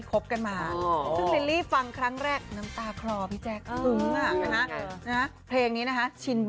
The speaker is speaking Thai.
ก็แต่เดือด